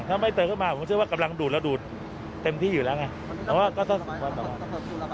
ถ้าไม่เติมเข้ามาผมเชื่อว่ากำลังดูดแล้วดูดเต็มที่อยู่แล้วไง